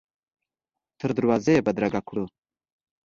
تر دروازې یې بدرګه کړو.